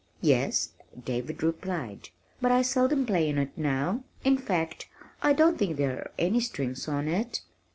"Yes," David replied. "But I seldom play on it now. In fact, I don't think there are any strings on it."